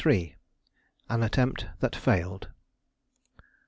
AN ATTEMPT THAT FAILED.